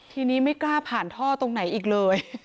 ทีนี้ไม่กล้าผ่านท่อตรงไหนอีกเลย